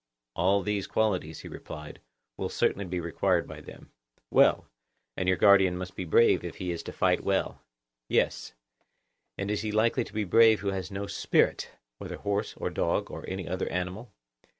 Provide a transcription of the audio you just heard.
All these qualities, he replied, will certainly be required by them. Well, and your guardian must be brave if he is to fight well? Certainly. And is he likely to be brave who has no spirit, whether horse or dog or any other animal?